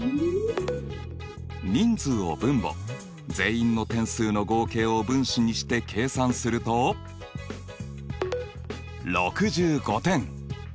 人数を分母全員の点数の合計を分子にして計算すると６５点。